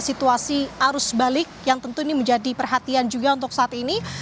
situasi arus balik yang tentu ini menjadi perhatian juga untuk saat ini